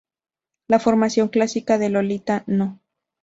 La formación clásica de Lolita No.